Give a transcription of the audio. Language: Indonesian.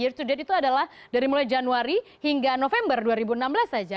year to date itu adalah dari mulai januari hingga november dua ribu enam belas saja